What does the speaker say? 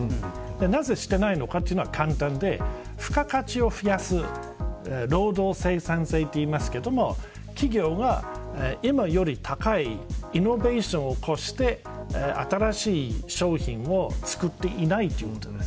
なぜしていないのかというと簡単で付加価値を増やす労働生産性と言いますが企業が今より高いイノベーションを起こして新しい商品を作っていないということです。